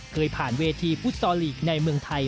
เคยผ่านเวทีฟุตซอลลีกในเมืองไทย